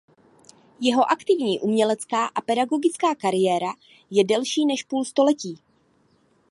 Jeho aktivní umělecká a pedagogická kariéra je delší než půl století.